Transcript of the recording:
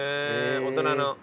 大人の味？